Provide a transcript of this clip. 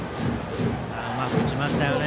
うまく打ちましたね